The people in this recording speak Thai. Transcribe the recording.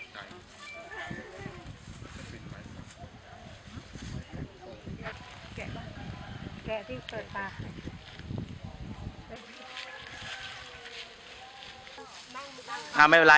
บราบที่๑๒๒๒นในประเภทมีอีก๑๒นมากกว่า